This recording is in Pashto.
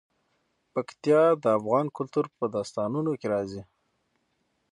پکتیا د افغان کلتور په داستانونو کې راځي.